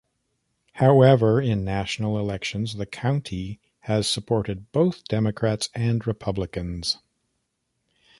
However, in national elections the county has supported both Democrats and Republicans.